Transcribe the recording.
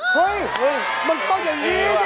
เฮ้ยมันต้องอย่างนี้ดิ